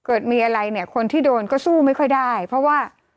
เกิดมีอะไรเนี่ยคนที่โดนก็สู้ไม่ค่อยได้เพราะว่า